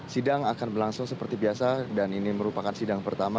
sidang akan berlangsung seperti biasa dan ini merupakan sidang pertama